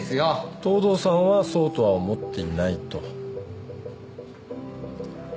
東堂さんはそうとは思っていないと。